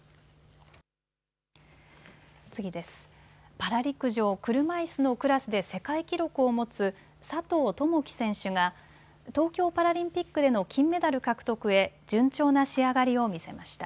パラ陸上、車いすのクラスで世界記録を持つ佐藤友祈選手が東京パラリンピックでの金メダル獲得へ、順調な仕上がりを見せました。